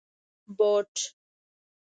👞 بوټ